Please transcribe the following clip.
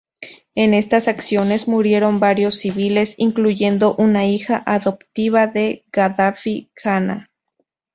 En estas acciones murieron varios civiles, incluyendo una hija adoptiva de Gaddafi, Jana.